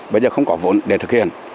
bây giờ không có vốn để thực hiện